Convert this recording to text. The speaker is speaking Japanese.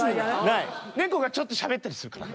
猫がちょっとしゃべったりするから。